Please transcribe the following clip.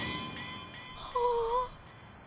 はあ。